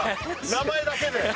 名前だけで。